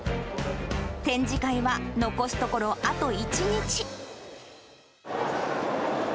展示会は残すところ、あと１日。